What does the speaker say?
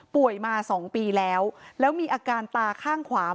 มา๒ปีแล้วแล้วมีอาการตาข้างขวา